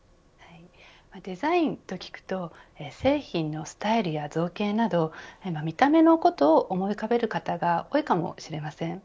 デザインと聞くと製品のスタイルや造形など見た目のことを思い浮かべる方が多いかもしれません。